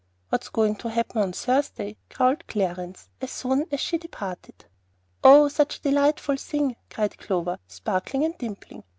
"What's going to happen on Thursday?" growled Clarence as soon as she had departed. "Oh, such a delightful thing," cried Clover, sparkling and dimpling.